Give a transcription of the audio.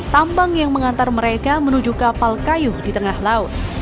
tambang yang mengantar mereka menuju kapal kayu di tengah laut